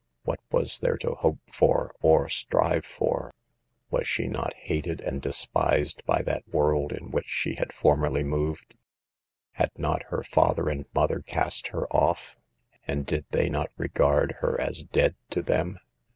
What was there to hope for or strive for? Was she not hated and despised by that world in which she had formerly moved? Had not her father and mother cast her off, and did they not regard her as dead to them